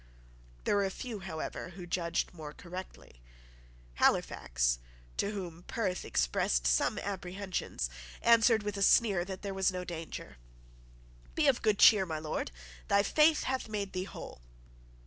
There were a few, however, who judged more correctly. Halifax, to whom Perth expressed some apprehensions, answered with a sneer that there was no danger. "Be of good cheer, my Lord; thy faith hath made thee whole."